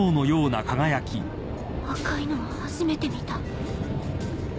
赤いのは初めて見た。